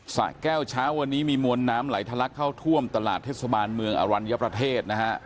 สะแก้วเช้าวันนี้มีมวลน้ำไหลทะลักเข้าท่วมตลาดเทศบาลเมืองอรัญญประเทศนะฮะ